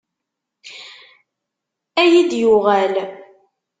Ad iyi-d-yuɣal.